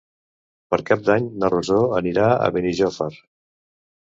Per Cap d'Any na Rosó anirà a Benijòfar.